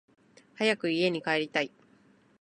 早く家に帰りたい